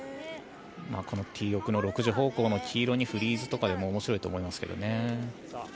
このティー奥の６時方向の黄色にフリーズとかでも面白いと思いますけどね。